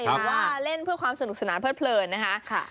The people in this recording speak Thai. เพราะว่าเล่นเพื่อความสนุกสนานเพลินนะคะ